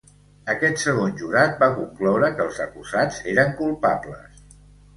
Aquest segon jurat va concloure que els acusats eren culpables.